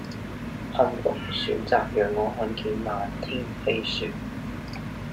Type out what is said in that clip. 幸運選擇讓我看見漫天飛雪